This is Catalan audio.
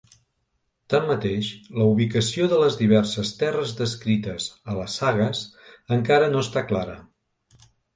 Tanmateix, la ubicació de les diverses terres descrites a les sagues encara no està clara.